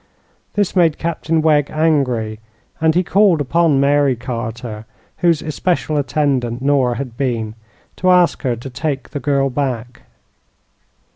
This made Captain Wegg angry, and he called upon Mary Carter, whose especial attendant Nora had been, to ask her to take the girl back.